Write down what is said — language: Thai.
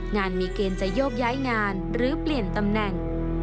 งานมีเกณฑ์จะโยกย้ายงานหรือเปลี่ยนตำแหน่ง